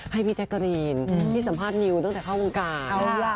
ให้พี่แจ๊กกะรีนที่สัมภาษณ์นิวตั้งแต่เข้าวงการ